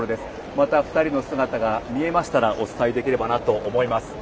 また、２人の姿が見えましたらお伝えできればなと思います。